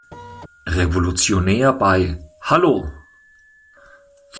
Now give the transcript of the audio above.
Revolutionär bei "Hallo!